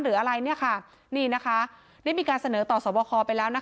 หรืออะไรมีการเสนอต่อสอบคอลไปแล้ว